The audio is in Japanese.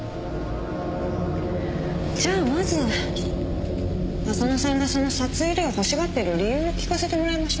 じゃあまず浅野さんがその札入れを欲しがってる理由を聞かせてもらいましょうか。